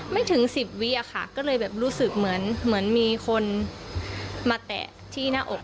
ไม่ถึงสิบวิอะค่ะก็เลยแบบรู้สึกเหมือนเหมือนมีคนมาแตะที่หน้าอก